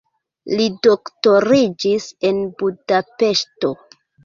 Li doktoriĝis en Budapeŝto.